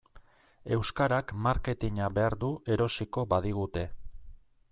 Euskarak marketina behar du erosiko badigute.